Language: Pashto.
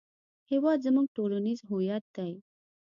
هېواد زموږ ټولنیز هویت دی